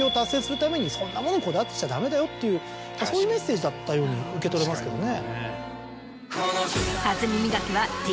そんなものにこだわってちゃダメだよというそういうメッセージだったように受け取れますけどね。